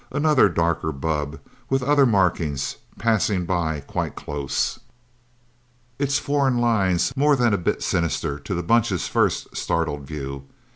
Another, darker bubb, with other markings, passed by, quite close. It had foreign lines, more than a bit sinister to the Bunch's first, startled view.